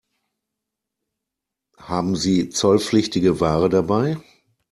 Haben Sie zollpflichtige Ware dabei?